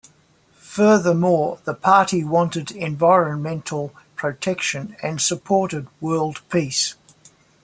Furthermore, the party wanted environmental protection and supported world peace.